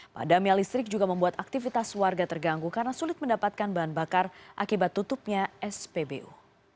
padamnya listrik juga membuat aktivitas warga terganggu karena sulit mendapatkan bahan bakar akibat tutupnya spbu